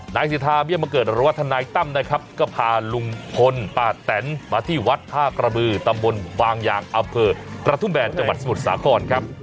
นายสิทธาเบี้ยบังเกิดหรือว่าทนายตั้มนะครับก็พาลุงพลป้าแตนมาที่วัดท่ากระบือตำบลบางอย่างอำเภอกระทุ่มแบนจังหวัดสมุทรสาครครับ